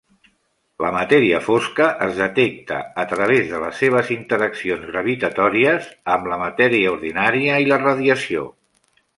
La matèria fosca es detecta a través de les seves interaccions gravitatòries amb la matèria ordinària i la radiació.